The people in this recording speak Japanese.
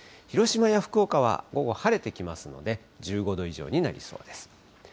広島や福岡は、午後晴れてきますので、１５度以上になりそうです。